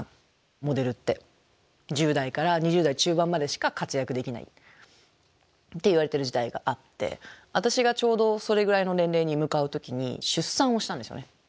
モデルって１０代から２０代中盤までしか活躍できないっていわれている時代があって私がちょうどそれぐらいの年齢に向かう時に出産をしたんですよね。